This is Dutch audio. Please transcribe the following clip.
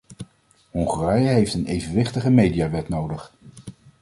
Hongarije heeft een evenwichtige mediawet nodig.